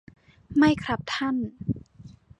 ไม่ครับท่าน